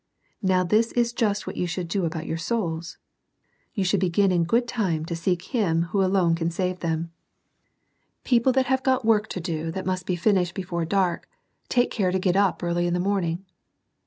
Now this is just what you should do about your souls; you should begin in good time to seek Him who alone can save them. People that \ia\^ ^o\. ^or^ x.^ ^^ SEEKING THE LORD EARLY. • 131 that must be finished before dark, take care to get up early in the morning.